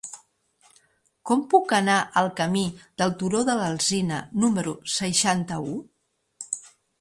Com puc anar al camí del Turó de l'Alzina número seixanta-u?